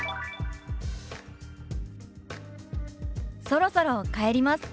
「そろそろ帰ります」。